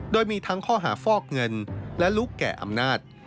โดยมีทั้งข้อหาฟอกเงินและลุกแก่อำนาจ